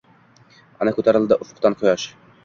Ana, ko’tarildi ufqdan quyosh